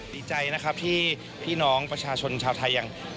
ดีใจนะครับที่พี่น้องประชาชนชาวไทยอย่าง